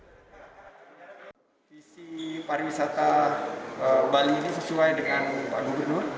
visi pariwisata bali ini sesuai dengan pak gubernur